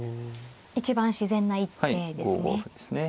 一番自然な一手ですね。